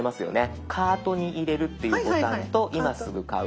「カートに入れる」っていうボタンと「今すぐ買う」。